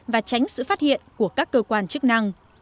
và tránh sự phát hiện của các cơ quan chức năng